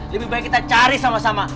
lebih baik kita cari sama sama